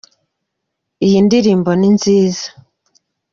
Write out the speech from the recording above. iyindirimbo ninziza